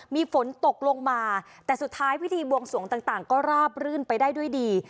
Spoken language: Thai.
มีฝนตกลงมาแต่สุดท้ายพิธีบวงสวงต่างก็ราบรื่นไปได้ด้วยดี